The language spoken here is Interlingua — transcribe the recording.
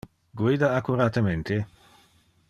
Guida accuratemente.